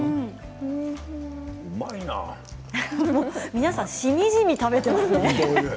皆さん、しみじみ食べていますね。